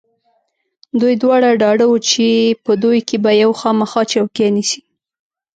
دوی دواړه ډاډه و چې په دوی کې به یو خامخا چوکۍ نیسي.